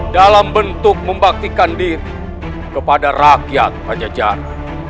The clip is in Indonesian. dalam bentuk membaktikan diri kepada rakyat pada jalan